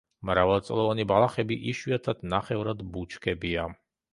მრავალწლოვანი ბალახები, იშვიათად ნახევრად ბუჩქებია.